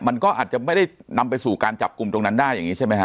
มันก็อาจจะไม่ได้นำไปสู่การจับกลุ่มตรงนั้นได้อย่างนี้ใช่ไหมฮ